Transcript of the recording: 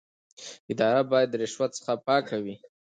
اداره باید د رشوت څخه پاکه وي.